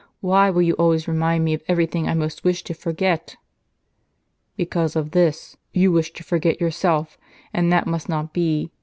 "Why will you always renund me of every thing I most wish to forget? "" Because of this : you wish to forget yourself, and that must not be.